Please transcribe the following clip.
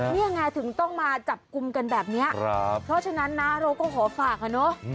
นี่ไงถึงต้องมาจับกลุ่มกันแบบนี้เพราะฉะนั้นนะเราก็ขอฝากอะเนาะ